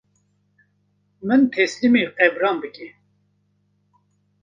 Min teslîmê qebran bike